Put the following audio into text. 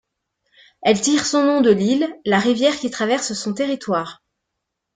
Elle tire son nom de l'Isle, la rivière qui traverse son territoire.